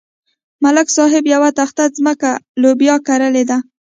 ملک صاحب یوه تخته ځمکه لوبیا کرلې ده.